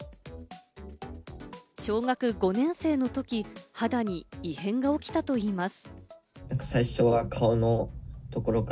小学５年生のとき、肌に異変が起きたといいます。